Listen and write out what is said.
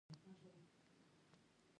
د مور خدمت کول د جنت سبب ګرځي